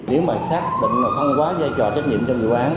nếu mà xác định là không quá giai trò trách nhiệm trong vụ án